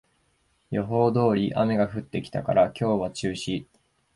予報通り雨が降ってきたから今日は中止